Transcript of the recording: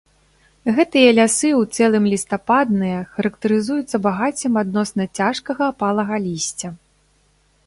Гэтыя лясы ў цэлым лістападныя, характарызуюцца багаццем адносна цяжкага апалага лісця.